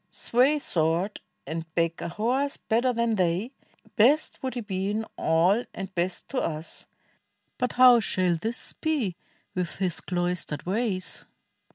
Sway sWord, and back a horse better than they, Best would he be in all and best to us: But how shall this be. with his cloistered ways?"